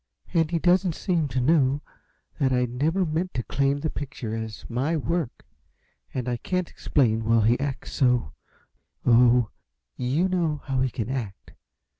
"And he doesn't seem to know that I never meant to claim the picture as my work, and I can't explain while he acts so oh, you know how he can act.